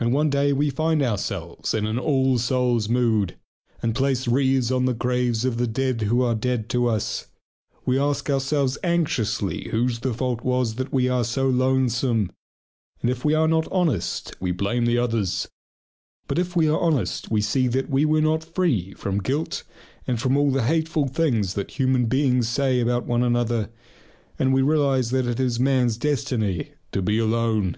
And one day we find ourselves in an all souls' mood, and place wreaths on the graves of the dead who are dead to us. We ask ourselves anxiously whose the fault was that we are so lonesome. And if we are not honest we blame the others. But if we are honest we see that we were not free from guilt and from all the hateful things that human beings say about one another, and we realize that it is man's destiny to be alone.